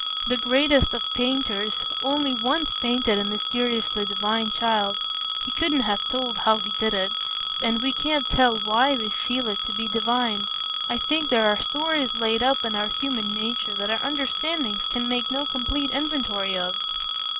The greatest of painters only once painted a mysteriously divine child; he couldn't have told how he did it, and we can't tell why we feel it to be divine. I think there are stores laid up in our human nature that our understandings can make no complete inventory of.